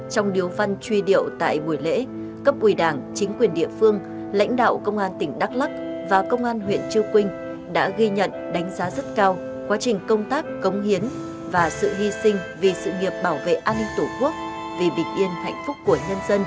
trong điều văn truy điệu tại buổi lễ cấp ủy đảng chính quyền địa phương lãnh đạo công an tỉnh đắk lắc và công an huyện trư quynh đã ghi nhận đánh giá rất cao quá trình công tác công hiến và sự hy sinh vì sự nghiệp bảo vệ an ninh tổ quốc vì bình yên hạnh phúc của nhân dân của sáu đồng chí